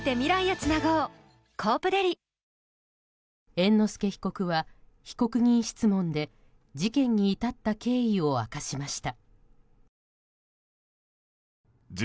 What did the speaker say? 猿之助被告は被告人質問で事件に至った経緯を明かしました。